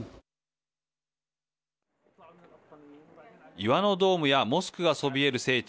岩のドームやモスクがそびえる聖地